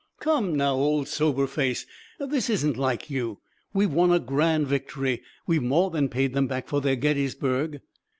"Come now, old Sober Face! This isn't like you. We've won a grand victory! We've more than paid them back for their Gettysburg."